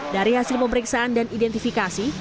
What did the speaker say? dari hasil pemeriksaan dan identifikasi